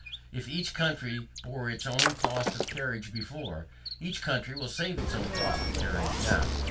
If each country bore its own cost of carriage before, each country will save its own cost of carriage now.